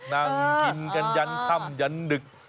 นั่งกินกันยันค่ำยันดึก